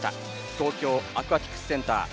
東京アクアティクスセンター。